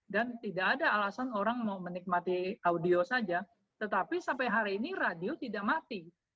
dan tidak ada alasan orang mau menikmati audio saja tetapi sampai hari ini radio tidak mati